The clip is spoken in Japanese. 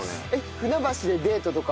船橋でデートとか。